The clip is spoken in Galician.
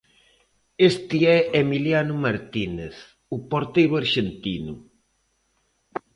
Este é Emiliano Martínez, o porteiro arxentino.